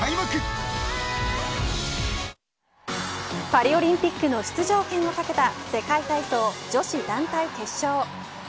パリオリンピックの出場権を懸けた世界体操女子団体決勝。